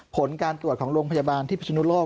ผลการตรวจของโรงพยาบาลที่พิศนุโลก